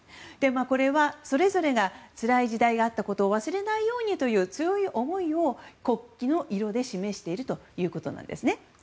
これは、それぞれがつらい時代があったことを忘れないようにという強い思いを国旗の色で示しているということなんですね。